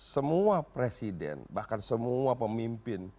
semua presiden bahkan semua pemimpin